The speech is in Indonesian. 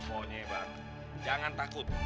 pokoknya ya pak jangan takut